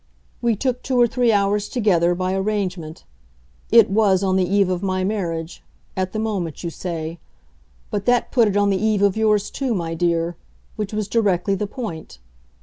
We took two or three hours together, by arrangement; it WAS on the eve of my marriage at the moment you say. But that put it on the eve of yours too, my dear which was directly the point.